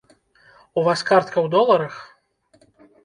У вас картка ў доларах?